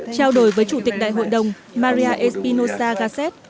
chào đổi với chủ tịch đại hội đồng maria espinosa cacet